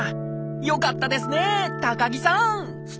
よかったですね高木さん！